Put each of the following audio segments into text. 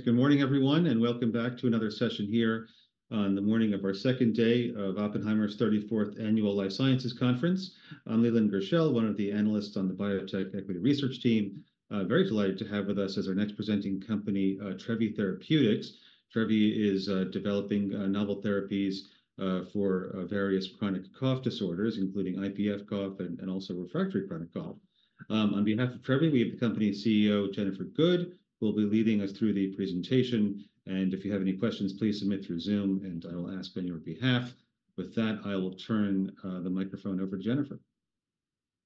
Good morning, everyone, and welcome back to another session here on the morning of our second day of Oppenheimer's 34th Annual Life Sciences Conference. I'm Leland Gershell, one of the analysts on the Biotech Equity Research Team, very delighted to have with us as our next presenting company Trevi Therapeutics. Trevi is developing novel therapies for various chronic cough disorders, including IPF cough and also refractory chronic cough. On behalf of Trevi, we have the company's CEO Jennifer Good, who will be leading us through the presentation. If you have any questions, please submit through Zoom, and I will ask on your behalf. With that, I will turn the microphone over to Jennifer.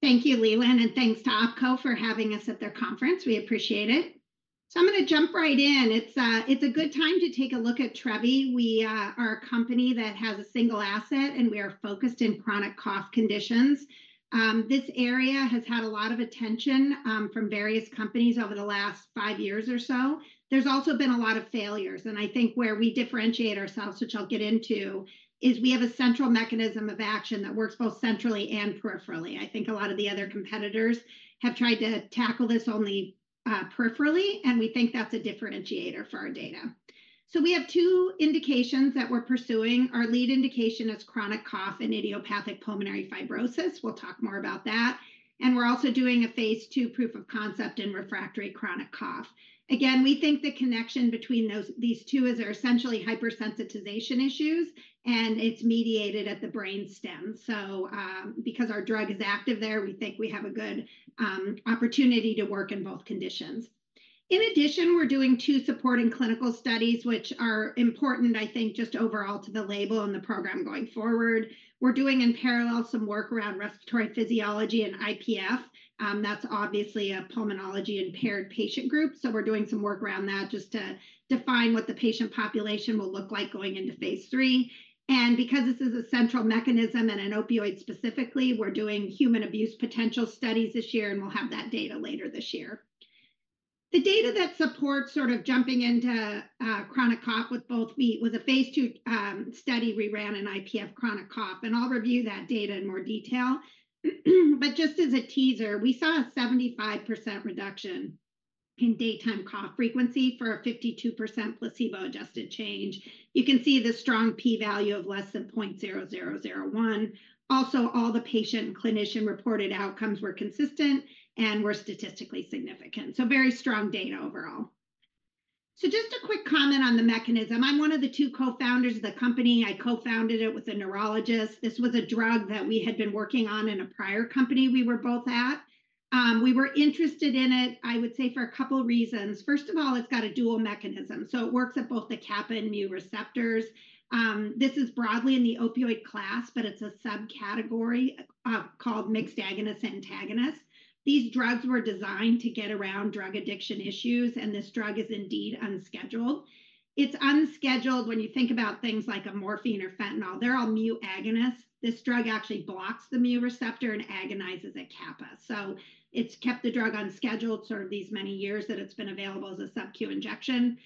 Thank you, Leland, and thanks to OpCo for having us at their conference. We appreciate it. I'm going to jump right in. It's a good time to take a look at Trevi. We are a company that has a single asset, and we are focused in chronic cough conditions. This area has had a lot of attention from various companies over the last five years or so. There's also been a lot of failures. I think where we differentiate ourselves, which I'll get into, is we have a central mechanism of action that works both centrally and peripherally. I think a lot of the other competitors have tried to tackle this only peripherally, and we think that's a differentiator for our data. We have two indications that we're pursuing. Our lead indication is chronic cough and idiopathic pulmonary fibrosis. We'll talk more about that. And we're also doing a Phase 2 proof of concept in refractory chronic cough. Again, we think the connection between these two is there are essentially hypersensitization issues, and it's mediated at the brain stem. So because our drug is active there, we think we have a good opportunity to work in both conditions. In addition, we're doing two supporting clinical studies, which are important, I think, just overall to the label and the program going forward. We're doing in parallel some work around respiratory physiology and IPF. That's obviously a pulmonology impaired patient group. So we're doing some work around that just to define what the patient population will look like going into Phase 3. And because this is a central mechanism and an opioid specifically, we're doing human abuse potential studies this year, and we'll have that data later this year. The data that supports sort of jumping into chronic cough with both was a Phase 2 study we ran in IPF chronic cough, and I'll review that data in more detail. But just as a teaser, we saw a 75% reduction in daytime cough frequency for a 52% placebo-adjusted change. You can see the strong p-value of less than 0.0001. Also, all the patient and clinician reported outcomes were consistent and were statistically significant. So very strong data overall. So just a quick comment on the mechanism. I'm one of the two co-founders of the company. I co-founded it with a neurologist. This was a drug that we had been working on in a prior company we were both at. We were interested in it, I would say, for a couple of reasons. First of all, it's got a dual mechanism. So it works at both the kappa and mu receptors. This is broadly in the opioid class, but it's a subcategory called mixed agonist and antagonist. These drugs were designed to get around drug addiction issues, and this drug is indeed unscheduled. It's unscheduled when you think about things like morphine or fentanyl. They're all mu agonist. This drug actually blocks the mu receptor and agonizes at kappa. So it's kept the drug unscheduled sort of these many years that it's been available as a subcu injection.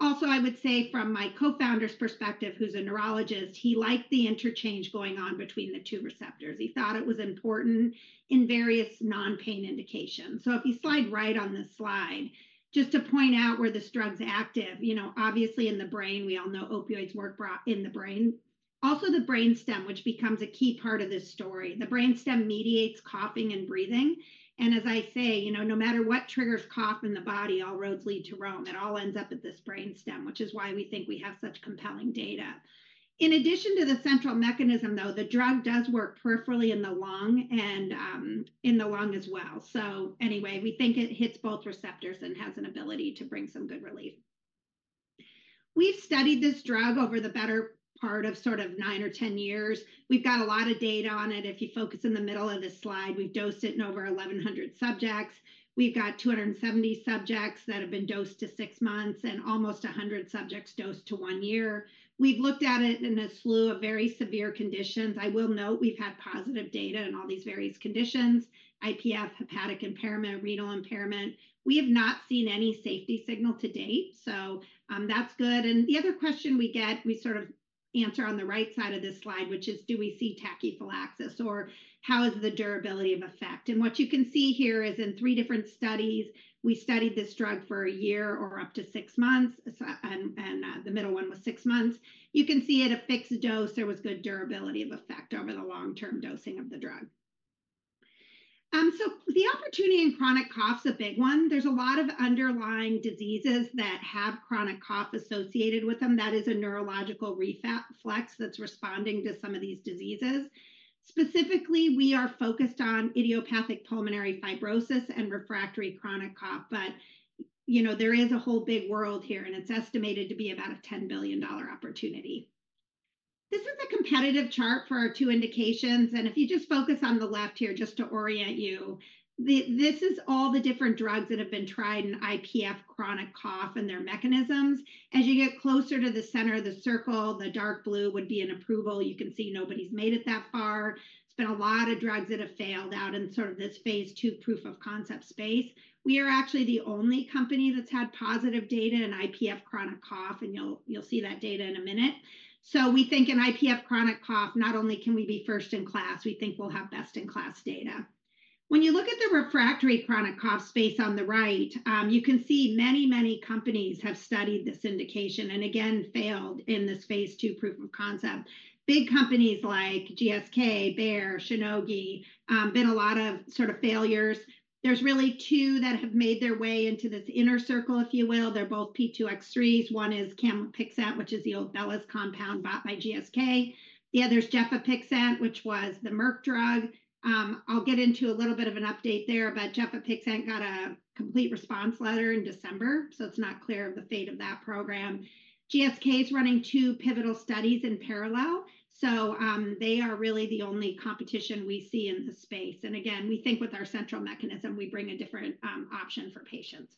Also, I would say from my co-founder's perspective, who's a neurologist, he liked the interchange going on between the two receptors. He thought it was important in various non-pain indications. So if you slide right on this slide, just to point out where this drug's active, you know, obviously in the brain, we all know opioids work in the brain. Also, the brain stem, which becomes a key part of this story. The brain stem mediates coughing and breathing. And as I say, you know, no matter what triggers cough in the body, all roads lead to Rome. It all ends up at this brain stem, which is why we think we have such compelling data. In addition to the central mechanism, though, the drug does work peripherally in the lung and in the lung as well. So anyway, we think it hits both receptors and has an ability to bring some good relief. We've studied this drug over the better part of sort of nine or ten years. We've got a lot of data on it. If you focus in the middle of this slide, we've dosed it in over 1,100 subjects. We've got 270 subjects that have been dosed to six months and almost 100 subjects dosed to one year. We've looked at it in a slew of very severe conditions. I will note we've had positive data in all these various conditions: IPF, hepatic impairment, renal impairment. We have not seen any safety signal to date, so that's good. And the other question we get, we sort of answer on the right side of this slide, which is, do we see tachyphylaxis, or how is the durability of effect? And what you can see here is in three different studies, we studied this drug for a year or up to six months, and the middle one was six months. You can see at a fixed dose, there was good durability of effect over the long-term dosing of the drug. So the opportunity in chronic cough is a big one. There's a lot of underlying diseases that have chronic cough associated with them. That is a neurological reflex that's responding to some of these diseases. Specifically, we are focused on idiopathic pulmonary fibrosis and refractory chronic cough. But, you know, there is a whole big world here, and it's estimated to be about a $10 billion opportunity. This is a competitive chart for our two indications. And if you just focus on the left here, just to orient you, this is all the different drugs that have been tried in IPF chronic cough and their mechanisms. As you get closer to the center of the circle, the dark blue would be an approval. You can see nobody's made it that far. It's been a lot of drugs that have failed out in sort of this Phase 2 proof of concept space. We are actually the only company that's had positive data in IPF chronic cough, and you'll see that data in a minute. So we think in IPF chronic cough, not only can we be first in class, we think we'll have best in class data. When you look at the refractory chronic cough space on the right, you can see many, many companies have studied this indication and, again, failed in this Phase 2 proof of concept. Big companies like GSK, Bayer, Shionogi, been a lot of sort of failures. There's really two that have made their way into this inner circle, if you will. They're both P2X3s. One is camlipixant, which is the old Bellus compound bought by GSK. The other is gefapixant, which was the Merck drug. I'll get into a little bit of an update there, but gefapixant got a complete response letter in December, so it's not clear of the fate of that program. GSK is running two pivotal studies in parallel, so they are really the only competition we see in this space. And again, we think with our central mechanism, we bring a different option for patients.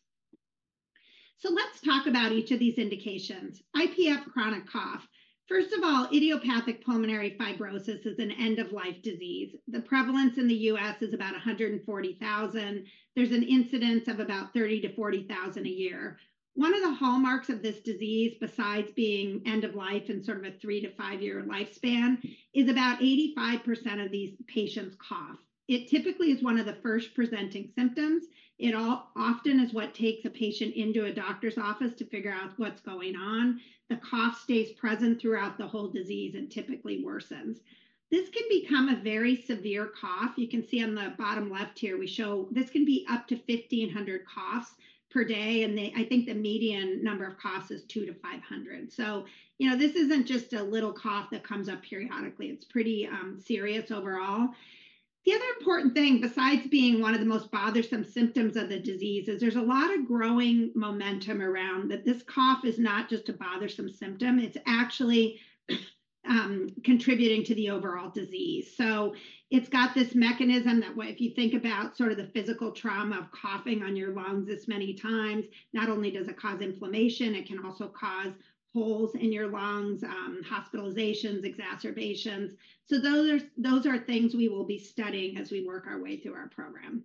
So let's talk about each of these indications. IPF chronic cough. First of all, idiopathic pulmonary fibrosis is an end-of-life disease. The prevalence in the U.S. is about 140,000. There's an incidence of about 30,000-40,000 a year. One of the hallmarks of this disease, besides being end-of-life and sort of a 3-5-year lifespan, is about 85% of these patients cough. It typically is one of the first presenting symptoms. It often is what takes a patient into a doctor's office to figure out what's going on. The cough stays present throughout the whole disease and typically worsens. This can become a very severe cough. You can see on the bottom left here, we show this can be up to 1,500 coughs per day, and I think the median number of coughs is 2,000-5,000. So, you know, this isn't just a little cough that comes up periodically. It's pretty serious overall. The other important thing, besides being one of the most bothersome symptoms of the disease, is there's a lot of growing momentum around that this cough is not just a bothersome symptom. It's actually contributing to the overall disease. So it's got this mechanism that if you think about sort of the physical trauma of coughing on your lungs this many times, not only does it cause inflammation, it can also cause holes in your lungs, hospitalizations, exacerbations. So those are things we will be studying as we work our way through our program.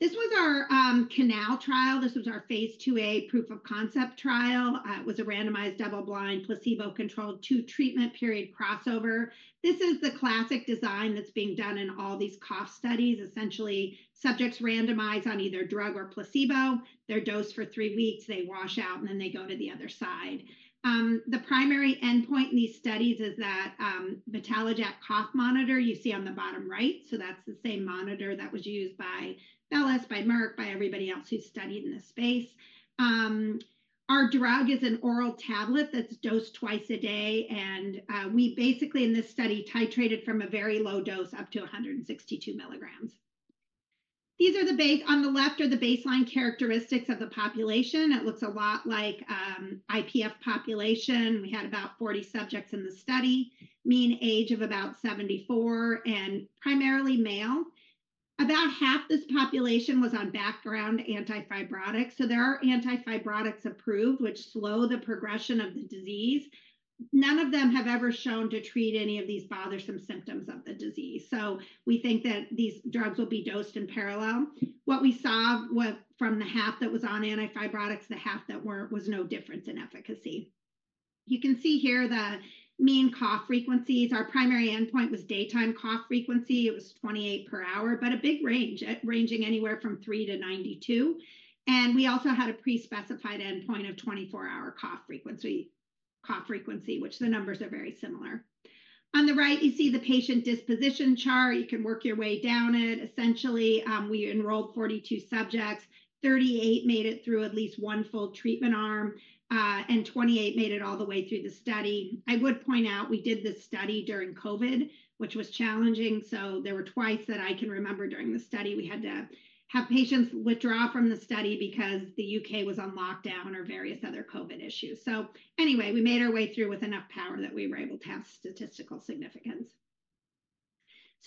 This was our CANAL trial. This was our Phase 2a proof of concept trial. It was a randomized double-blind, placebo-controlled, 2-treatment period crossover. This is the classic design that's being done in all these cough studies. Essentially, subjects randomize on either drug or placebo. They're dosed for three weeks. They wash out, and then they go to the other side. The primary endpoint in these studies is that VitaloJAK Cough Monitor you see on the bottom right. So that's the same monitor that was used by Bellus, by Merck, by everybody else who's studied in this space. Our drug is an oral tablet that's dosed twice a day, and we basically, in this study, titrated from a very low dose up to 162 milligrams. These are the baseline on the left are the baseline characteristics of the population. It looks a lot like IPF population. We had about 40 subjects in the study, mean age of about 74, and primarily male. About half this population was on background antifibrotics. So there are antifibrotics approved, which slow the progression of the disease. None of them have ever shown to treat any of these bothersome symptoms of the disease. So we think that these drugs will be dosed in parallel. What we saw from the half that was on antifibrotics, the half that weren't, was no difference in efficacy. You can see here the mean cough frequencies. Our primary endpoint was daytime cough frequency. It was 28 per hour, but a big range, ranging anywhere from 3-92. We also had a pre-specified endpoint of 24-hour cough frequency, which the numbers are very similar. On the right, you see the patient disposition chart. You can work your way down it. Essentially, we enrolled 42 subjects. 38 made it through at least one full treatment arm, and 28 made it all the way through the study. I would point out we did this study during COVID, which was challenging. There were twice that I can remember during the study we had to have patients withdraw from the study because the U.K. was on lockdown or various other COVID issues. So anyway, we made our way through with enough power that we were able to have statistical significance.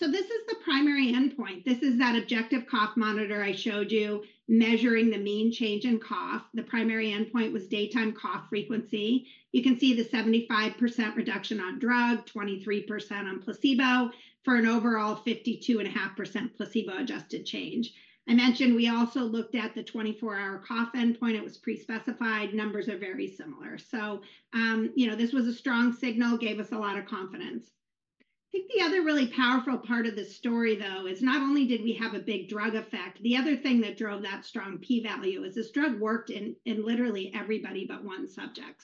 This is the primary endpoint. This is that objective cough monitor I showed you measuring the mean change in cough. The primary endpoint was daytime cough frequency. You can see the 75% reduction on drug, 23% on placebo, for an overall 52.5% placebo-adjusted change. I mentioned we also looked at the 24-hour cough endpoint. It was pre-specified. Numbers are very similar. So, you know, this was a strong signal, gave us a lot of confidence. I think the other really powerful part of this story, though, is not only did we have a big drug effect, the other thing that drove that strong p-value is this drug worked in literally everybody but one subject.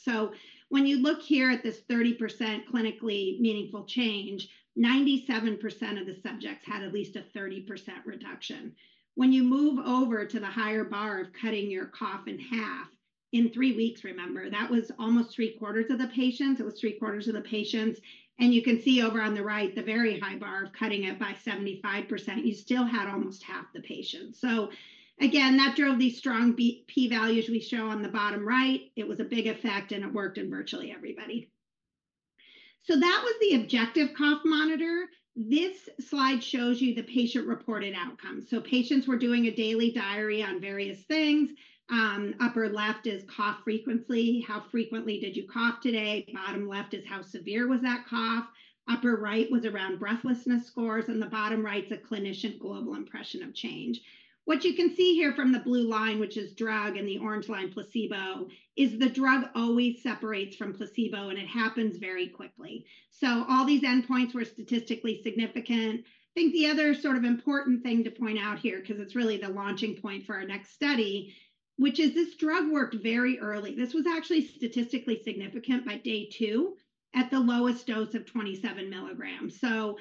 When you look here at this 30% clinically meaningful change, 97% of the subjects had at least a 30% reduction. When you move over to the higher bar of cutting your cough in half, in 3 weeks, remember, that was almost three-quarters of the patients. It was three-quarters of the patients. And you can see over on the right, the very high bar of cutting it by 75%, you still had almost half the patients. So again, that drove these strong p-values we show on the bottom right. It was a big effect, and it worked in virtually everybody. So that was the objective cough monitor. This slide shows you the patient-reported outcomes. So patients were doing a daily diary on various things. Upper left is cough frequency, how frequently did you cough today. Bottom left is how severe was that cough. Upper right was around breathlessness scores, and the bottom right's a clinician global impression of change. What you can see here from the blue line, which is drug, and the orange line, placebo, is the drug always separates from placebo, and it happens very quickly. So all these endpoints were statistically significant. I think the other sort of important thing to point out here, because it's really the launching point for our next study, which is this drug worked very early. This was actually statistically significant by day 2 at the lowest dose of 27 milligrams. So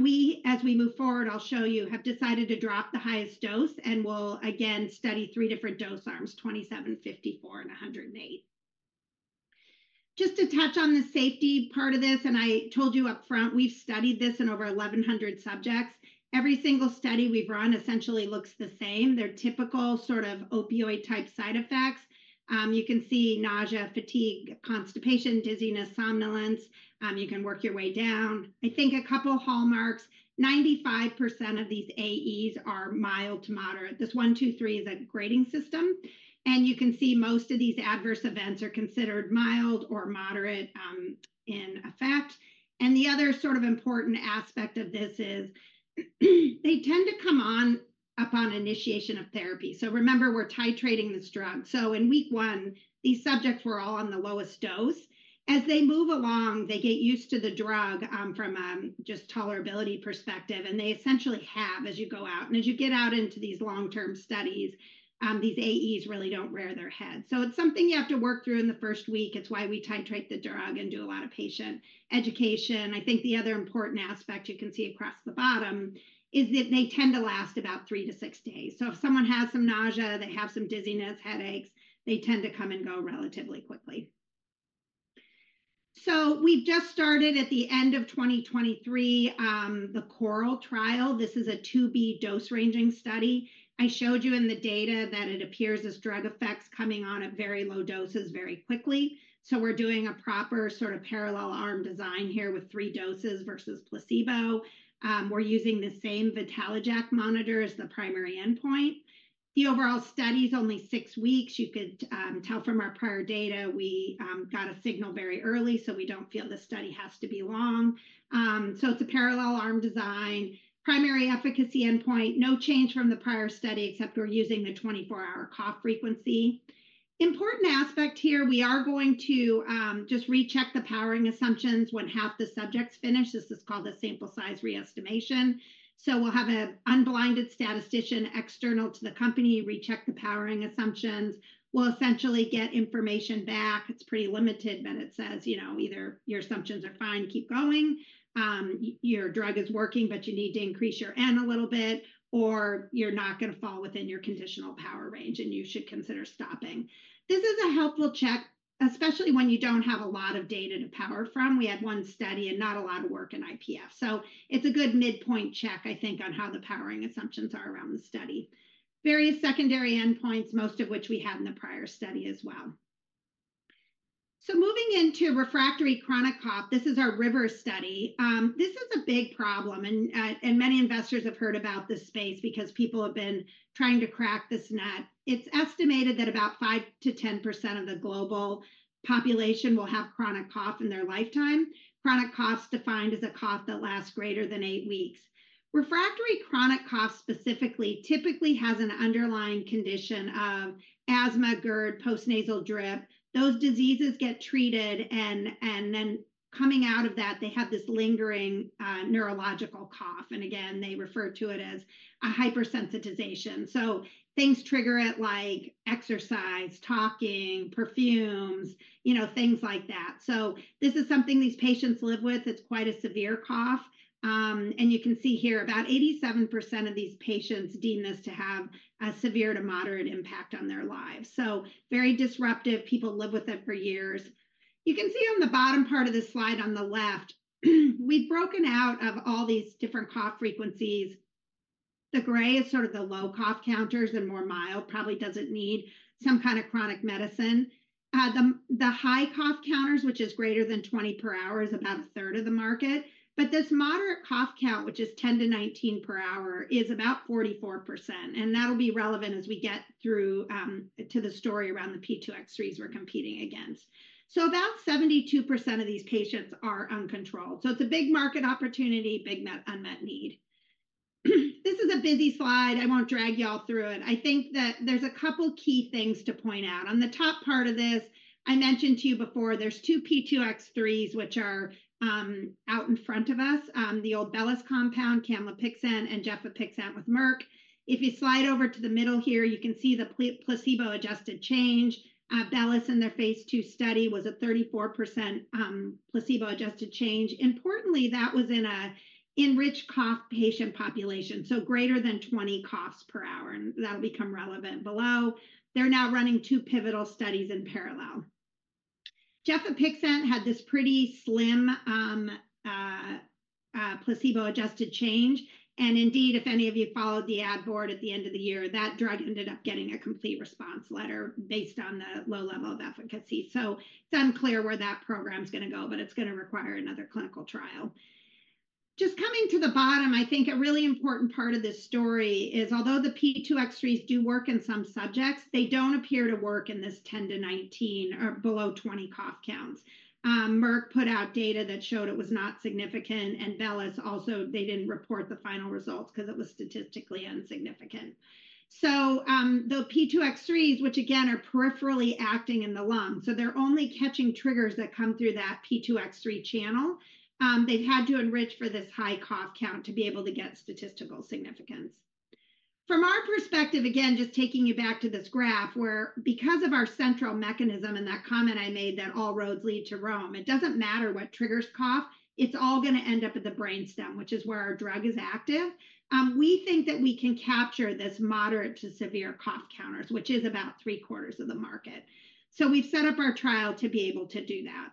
we, as we move forward, I'll show you, have decided to drop the highest dose, and we'll again study three different dose arms: 27, 54, and 108. Just to touch on the safety part of this, and I told you upfront, we've studied this in over 1,100 subjects. Every single study we've run essentially looks the same. They're typical sort of opioid-type side effects. You can see nausea, fatigue, constipation, dizziness, somnolence. You can work your way down. I think a couple hallmarks, 95% of these AEs are mild to moderate. This 1, 2, 3 is a grading system. And you can see most of these adverse events are considered mild or moderate in effect. And the other sort of important aspect of this is they tend to come on upon initiation of therapy. So remember, we're titrating this drug. So in week 1, these subjects were all on the lowest dose. As they move along, they get used to the drug from a just tolerability perspective, and they essentially have as you go out. And as you get out into these long-term studies, these AEs really don't rear their head. So it's something you have to work through in the first week. It's why we titrate the drug and do a lot of patient education. I think the other important aspect you can see across the bottom is that they tend to last about 3-6 days. So if someone has some nausea, they have some dizziness, headaches, they tend to come and go relatively quickly. So we've just started at the end of 2023 the CORAL trial. This is a Phase 2b dose-ranging study. I showed you in the data that it appears as drug effects coming on at very low doses very quickly. So we're doing a proper sort of parallel arm design here with 3 doses versus placebo. We're using the same VitaloJAK Cough Monitor as the primary endpoint. The overall study is only six weeks. You could tell from our prior data, we got a signal very early, so we don't feel this study has to be long. So it's a parallel arm design. Primary efficacy endpoint, no change from the prior study except we're using the 24-hour cough frequency. Important aspect here, we are going to just recheck the powering assumptions when half the subjects finish. This is called a sample size reestimation. So we'll have an unblinded statistician external to the company recheck the powering assumptions. We'll essentially get information back. It's pretty limited, but it says, you know, either your assumptions are fine, keep going, your drug is working, but you need to increase your N a little bit, or you're not going to fall within your conditional power range, and you should consider stopping. This is a helpful check, especially when you don't have a lot of data to power from. We had one study and not a lot of work in IPF. So it's a good midpoint check, I think, on how the powering assumptions are around the study. Various secondary endpoints, most of which we had in the prior study as well. So moving into refractory chronic cough, this is our RIVER study. This is a big problem, and many investors have heard about this space because people have been trying to crack this nut. It's estimated that about 5%-10% of the global population will have chronic cough in their lifetime, chronic coughs defined as a cough that lasts greater than eight weeks. Refractory chronic cough specifically typically has an underlying condition of asthma, GERD, postnasal drip. Those diseases get treated, and then coming out of that, they have this lingering neurological cough. And again, they refer to it as a hypersensitization. So things trigger it like exercise, talking, perfumes, you know, things like that. So this is something these patients live with. It's quite a severe cough. And you can see here, about 87% of these patients deem this to have a severe to moderate impact on their lives. So very disruptive. People live with it for years. You can see on the bottom part of the slide on the left, we've broken out of all these different cough frequencies. The gray is sort of the low cough counters and more mild, probably doesn't need some kind of chronic medicine. The high cough counters, which is greater than 20 per hour, is about a third of the market. But this moderate cough count, which is 10-19 per hour, is about 44%. And that'll be relevant as we get through to the story around the P2X3s we're competing against. So about 72% of these patients are uncontrolled. So it's a big market opportunity, big unmet need. This is a busy slide. I won't drag y'all through it. I think that there's a couple key things to point out. On the top part of this, I mentioned to you before, there's two P2X3s which are out in front of us, the old Bellus compound, camlipixant, and gefapixant with Merck. If you slide over to the middle here, you can see the placebo-adjusted change. Bellus in their Phase 2 study was a 34% placebo-adjusted change. Importantly, that was in an enriched cough patient population, so greater than 20 coughs per hour, and that'll become relevant below. They're now running two pivotal studies in parallel. Gefapixant had this pretty slim placebo-adjusted change. Indeed, if any of you followed the ad board at the end of the year, that drug ended up getting a Complete Response Letter based on the low level of efficacy. It's unclear where that program's going to go, but it's going to require another clinical trial. Just coming to the bottom, I think a really important part of this story is, although the P2X3s do work in some subjects, they don't appear to work in this 10-19 or below 20 cough counts. Merck put out data that showed it was not significant, and Bellus also, they didn't report the final results because it was statistically insignificant. So the P2X3s, which again are peripherally acting in the lung, so they're only catching triggers that come through that P2X3 channel. They've had to enrich for this high cough count to be able to get statistical significance. From our perspective, again, just taking you back to this graph where, because of our central mechanism and that comment I made that all roads lead to Rome, it doesn't matter what triggers cough, it's all going to end up at the brainstem, which is where our drug is active. We think that we can capture this moderate to severe cough counters, which is about three-quarters of the market. So we've set up our trial to be able to do that.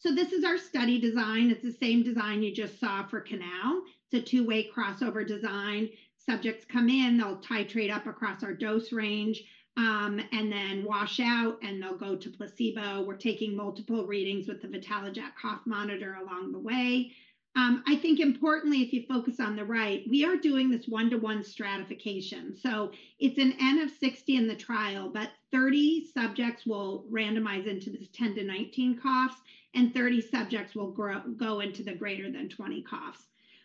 So this is our study design. It's the same design you just saw for CANAL. It's a two-way crossover design. Subjects come in, they'll titrate up across our dose range, and then wash out, and they'll go to placebo. We're taking multiple readings with the VitaloJAK Cough Monitor along the way. I think importantly, if you focus on the right, we are doing this one-to-one stratification. So it's an N of 60 in the trial, but 30 subjects will randomize into these 10-19 coughs, and 30 subjects will go into the >20 coughs.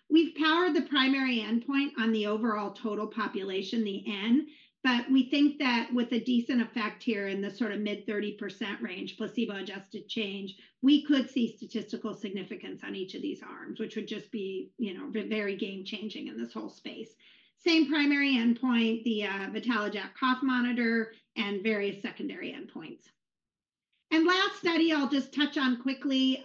We've powered the primary endpoint on the overall total population, the N, but we think that with a decent effect here in the sort of mid-30% range, placebo-adjusted change, we could see statistical significance on each of these arms, which would just be, you know, very game-changing in this whole space. Same primary endpoint, the VitaloJAK Cough Monitor, and various secondary endpoints. And last study, I'll just touch on quickly.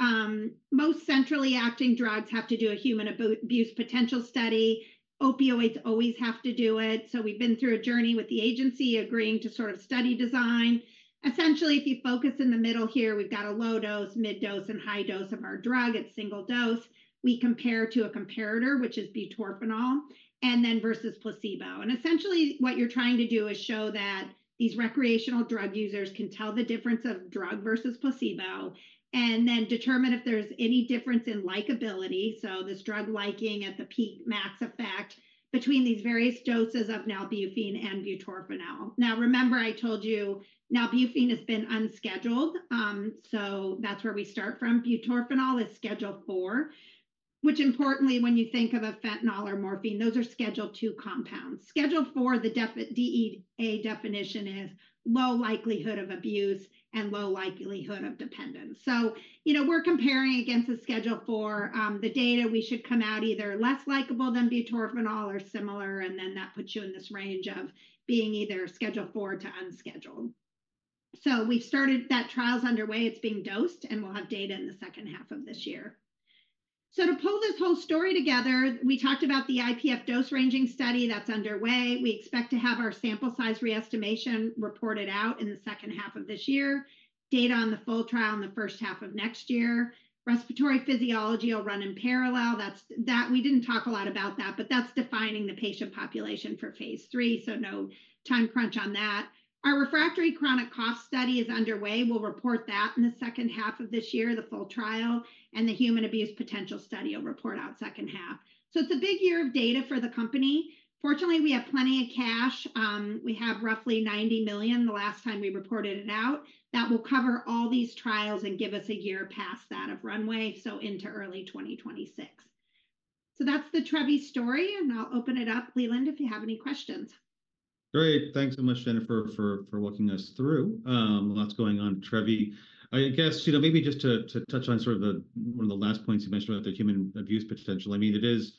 Most centrally acting drugs have to do a Human Abuse Potential study. Opioids always have to do it. So we've been through a journey with the agency agreeing to sort of study design. Essentially, if you focus in the middle here, we've got a low dose, mid dose, and high dose of our drug. It's single dose. We compare to a comparator, which is butorphanol, and then versus placebo. And essentially, what you're trying to do is show that these recreational drug users can tell the difference of drug versus placebo and then determine if there's any difference in likability, so this drug liking at the peak max effect between these various doses of nalbuphine and butorphanol. Now, remember, I told you nalbuphine has been unscheduled, so that's where we start from. Butorphanol is Schedule IV, which importantly, when you think of a fentanyl or morphine, those are Schedule II compounds. Schedule IV, the DEA definition, is low likelihood of abuse and low likelihood of dependence. So, you know, we're comparing against a Schedule IV. The data, we should come out either less likable than butorphanol or similar, and then that puts you in this range of being either Schedule IV to unscheduled. So we've started that trial's underway. It's being dosed, and we'll have data in the second half of this year. So to pull this whole story together, we talked about the IPF dose-ranging study that's underway. We expect to have our sample size reestimation reported out in the second half of this year, data on the full trial in the first half of next year. Respiratory physiology will run in parallel. That's that we didn't talk a lot about that, but that's defining the patient population for Phase 3, so no time crunch on that. Our refractory chronic cough study is underway. We'll report that in the second half of this year, the full trial, and the Human Abuse Potential study will report out second half. So it's a big year of data for the company. Fortunately, we have plenty of cash. We have roughly $90 million the last time we reported it out. That will cover all these trials and give us a year past that of runway, so into early 2026. So that's the Trevi story, and I'll open it up, Leland, if you have any questions. Great. Thanks so much, Jennifer, for walking us through. Lots going on, Trevi. I guess, you know, maybe just to touch on sort of the one of the last points you mentioned about the human abuse potential. I mean, it is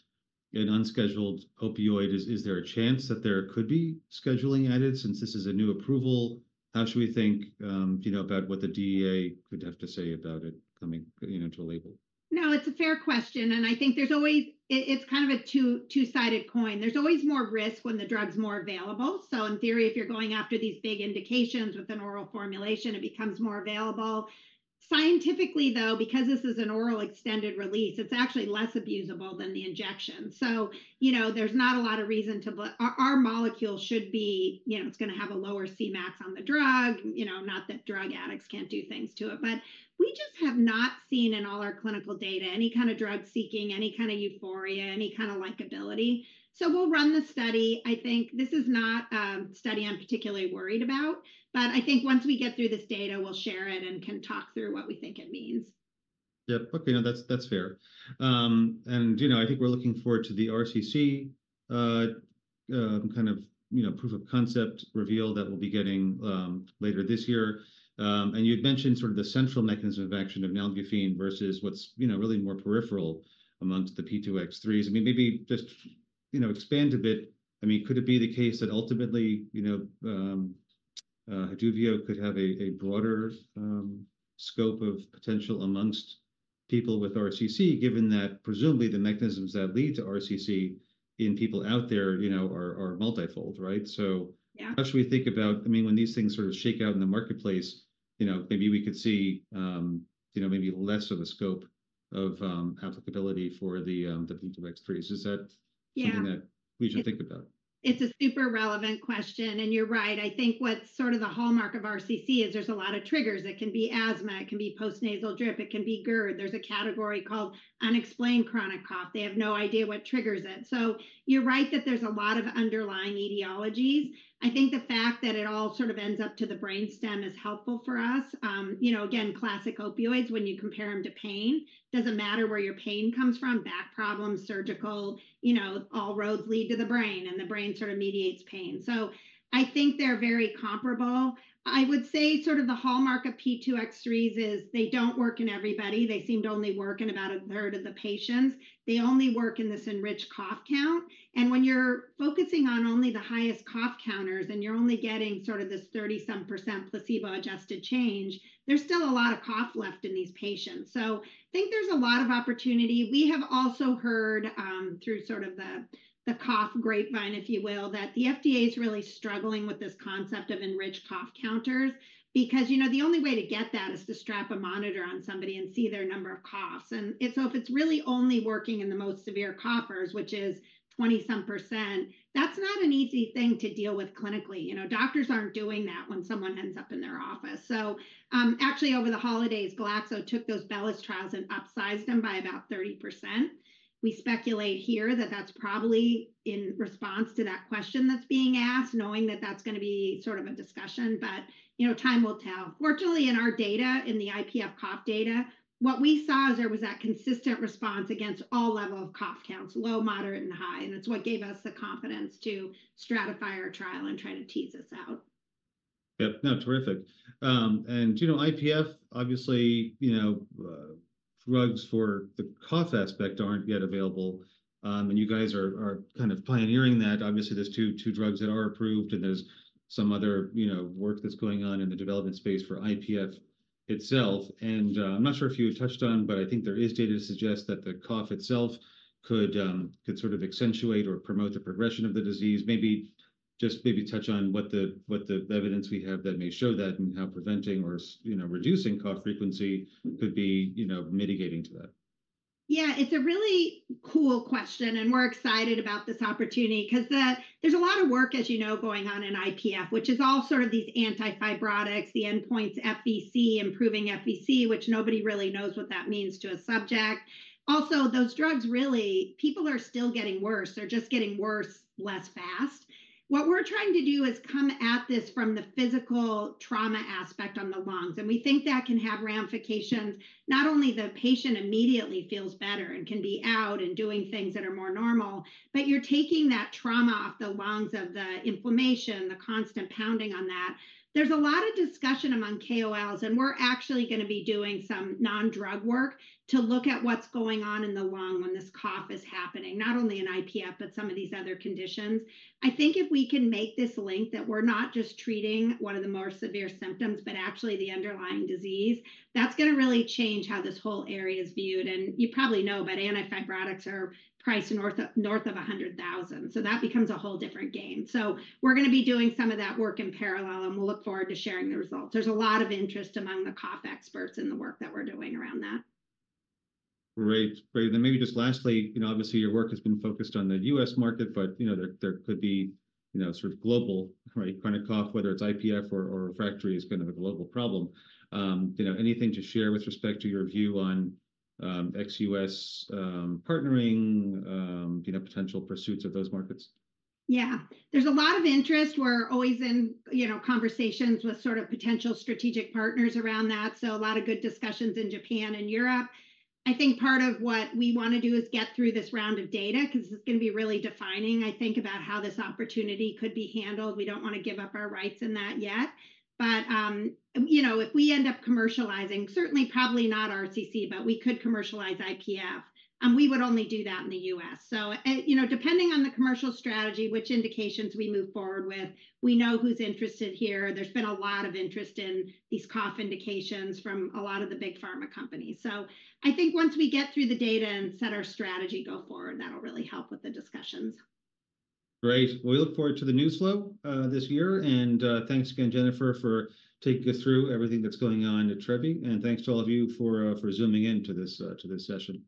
an unscheduled opioid. Is there a chance that there could be scheduling added since this is a new approval? How should we think, you know, about what the DEA could have to say about it coming, you know, to a label? No, it's a fair question, and I think there's always it's kind of a two-sided coin. There's always more risk when the drug's more available. So in theory, if you're going after these big indications with an oral formulation, it becomes more available. Scientifically, though, because this is an oral extended release, it's actually less abusable than the injection. So, you know, there's not a lot of reason to our molecule should be, you know, it's going to have a lower Cmax on the drug, you know, not that drug addicts can't do things to it, but we just have not seen in all our clinical data any kind of drug seeking, any kind of euphoria, any kind of likability. So we'll run the study. I think this is not a study I'm particularly worried about, but I think once we get through this data, we'll share it and can talk through what we think it means. Yep. Okay. No, that's that's fair. And, you know, I think we're looking forward to the RCC kind of, you know, proof of concept reveal that we'll be getting later this year. And you'd mentioned sort of the central mechanism of action of nalbuphine versus what's, you know, really more peripheral amongst the P2X3s. I mean, maybe just, you know, expand a bit. I mean, could it be the case that ultimately, you know, Haduvio could have a a broader scope of potential amongst people with RCC, given that presumably the mechanisms that lead to RCC in people out there, you know, are are multifold, right? So. Yeah. How should we think about, I mean, when these things sort of shake out in the marketplace, you know, maybe we could see, you know, maybe less of a scope of applicability for the P2X3s. Is that? Yeah. Something that we should think about? It's a super relevant question, and you're right. I think what's sort of the hallmark of RCC is there's a lot of triggers. It can be asthma. It can be postnasal drip. It can be GERD. There's a category called unexplained chronic cough. They have no idea what triggers it. So you're right that there's a lot of underlying etiologies. I think the fact that it all sort of ends up to the brainstem is helpful for us. You know, again, classic opioids, when you compare them to pain, it doesn't matter where your pain comes from, back problems, surgical, you know, all roads lead to the brain, and the brain sort of mediates pain. So I think they're very comparable. I would say sort of the hallmark of P2X3s is they don't work in everybody. They seem to only work in about a third of the patients. They only work in this enriched cough count. When you're focusing on only the highest cough counters and you're only getting sort of this 30-some% placebo-adjusted change, there's still a lot of cough left in these patients. So I think there's a lot of opportunity. We have also heard through sort of the cough grapevine, if you will, that the FDA is really struggling with this concept of enriched cough counters because, you know, the only way to get that is to strap a monitor on somebody and see their number of coughs. And so if it's really only working in the most severe coughers, which is 20-some%, that's not an easy thing to deal with clinically. You know, doctors aren't doing that when someone ends up in their office. So actually, over the holidays, Glaxo took those Bellus trials and upsized them by about 30%. We speculate here that that's probably in response to that question that's being asked, knowing that that's going to be sort of a discussion, but, you know, time will tell. Fortunately, in our data, in the IPF cough data, what we saw is there was that consistent response against all level of cough counts, low, moderate, and high. It's what gave us the confidence to stratify our trial and try to tease us out. Yep. No, terrific. And, you know, IPF, obviously, you know, drugs for the cough aspect aren't yet available, and you guys are kind of pioneering that. Obviously, there's two drugs that are approved, and there's some other, you know, work that's going on in the development space for IPF itself. And I'm not sure if you had touched on, but I think there is data to suggest that the cough itself could sort of accentuate or promote the progression of the disease, maybe just touch on what the evidence we have that may show that and how preventing or, you know, reducing cough frequency could be, you know, mitigating to that. Yeah, it's a really cool question, and we're excited about this opportunity because there's a lot of work, as you know, going on in IPF, which is all sort of these antifibrotics, the endpoints, FVC, improving FVC, which nobody really knows what that means to a subject. Also, those drugs really, people are still getting worse. They're just getting worse less fast. What we're trying to do is come at this from the physical trauma aspect on the lungs. And we think that can have ramifications. Not only the patient immediately feels better and can be out and doing things that are more normal, but you're taking that trauma off the lungs of the inflammation, the constant pounding on that. There's a lot of discussion among KOLs, and we're actually going to be doing some non-drug work to look at what's going on in the lung when this cough is happening, not only in IPF, but some of these other conditions. I think if we can make this link that we're not just treating one of the more severe symptoms, but actually the underlying disease, that's going to really change how this whole area is viewed. And you probably know, but antifibrotics are priced north of $100,000, so that becomes a whole different game. So we're going to be doing some of that work in parallel, and we'll look forward to sharing the results. There's a lot of interest among the cough experts in the work that we're doing around that. Great. Great. Maybe just lastly, you know, obviously, your work has been focused on the U.S. market, but, you know, there could be, you know, sort of global, right, chronic cough, whether it's IPF or refractory, is kind of a global problem. You know, anything to share with respect to your view on ex-U.S. partnering, you know, potential pursuits of those markets? Yeah. There's a lot of interest. We're always in, you know, conversations with sort of potential strategic partners around that. So a lot of good discussions in Japan and Europe. I think part of what we want to do is get through this round of data because this is going to be really defining, I think, about how this opportunity could be handled. We don't want to give up our rights in that yet. But, you know, if we end up commercializing, certainly probably not RCC, but we could commercialize IPF. We would only do that in the U.S. So, you know, depending on the commercial strategy, which indications we move forward with, we know who's interested here. There's been a lot of interest in these cough indications from a lot of the big pharma companies. I think once we get through the data and set our strategy, go forward, that'll really help with the discussions. Great. Well, we look forward to the news flow this year. Thanks again, Jennifer, for taking us through everything that's going on at Trevi. Thanks to all of you for zooming into this session.